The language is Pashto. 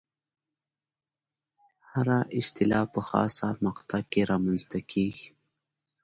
هره اصطلاح په خاصه مقطع کې رامنځته کېږي.